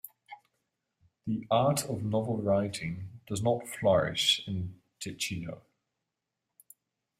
The art of novel writing does not flourish in Ticino.